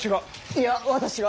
いや私が。